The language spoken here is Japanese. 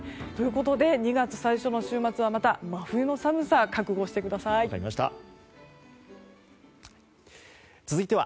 ということで、２月最初の週末はまた真冬の寒さ覚悟してください。